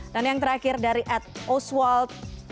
dan yang terakhir dari ed oswald